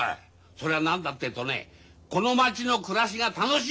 そりゃ何だってえとねこの町の暮らしが楽しいからなんだよ。